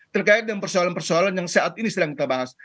terkait dengan persoalan persoalan yang saat ini sedang kita bahas